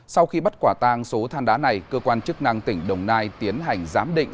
sau khi bắt quả tang số than đá này cơ quan chức năng tỉnh đồng nai tiến hành giám định